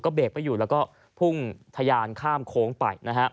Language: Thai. เบรกไม่อยู่แล้วก็พุ่งทะยานข้ามโค้งไปนะฮะ